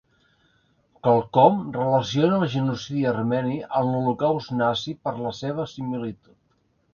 Quelcom relaciona el genocidi armeni amb l'holocaust nazi per la seva similitud.